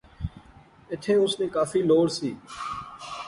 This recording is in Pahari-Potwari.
ایتھیں اس نی کافی لوڑ سی